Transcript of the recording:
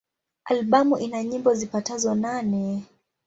Albamu ina nyimbo zipatazo nane.